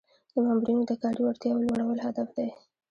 د مامورینو د کاري وړتیاوو لوړول هدف دی.